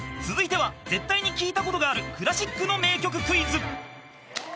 ［続いては絶対に聞いたことがあるクラシックの名曲クイズ］